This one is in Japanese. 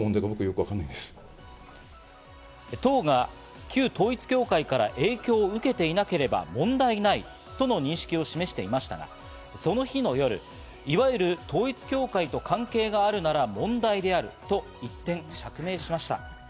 党が旧統一教会から影響を受けていなければ問題ないとの認識を示していましたが、その日の夜、いわゆる統一教会と関係があるなら問題であると一転、釈明しました。